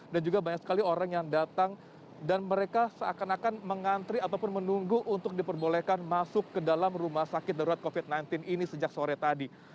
dan juga banyak sekali orang yang datang dan mereka seakan akan mengantri ataupun menunggu untuk diperbolehkan masuk ke dalam rumah sakit darurat covid sembilan belas ini sejak sore tadi